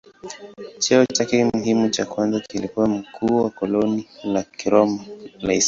Cheo chake muhimu cha kwanza kilikuwa mkuu wa koloni la Kiroma la Hispania.